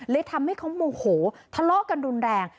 ทำให้เขาโมโหทะเลาะกันรุนแรง